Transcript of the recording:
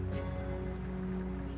ini adalah tempat yang paling menyenangkan